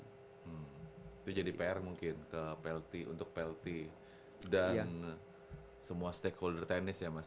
itu jadi pr mungkin untuk plt dan semua stakeholder tenis ya mas